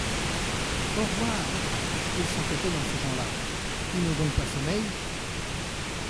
Au revoir ! ils sont étonnants ces gens-là ! ils n’ont donc pas sommeil.